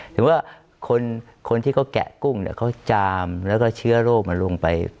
ถึงว่าคนที่เขาแกะกุ้งเขาจามแล้วก็เชื้อโรคมันลงไป